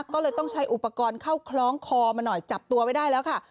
ก็เลยต้องใช้อุปกรณ์เข้าคล้องคอมาหน่อยจับตัวไว้ได้แล้วค่ะ